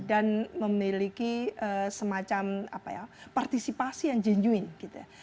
dan memiliki semacam partisipasi yang genuine gitu ya